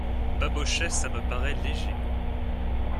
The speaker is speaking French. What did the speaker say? Babochet Ça me paraît léger !